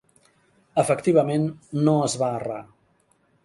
Efectivament, no es va errar.